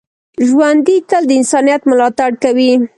ژوندي تل د انسانیت ملاتړ کوي